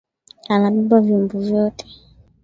Anabeba vyombo vyote